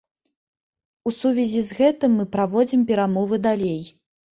У сувязі з гэтым мы праводзім перамовы далей.